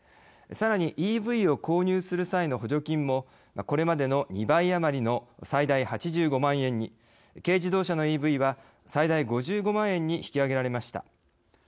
さらにＥＶを購入する際の補助金もこれまでの２倍余りの最大８５万円に軽自動車のＥＶは最大５５万円に引き上げられました。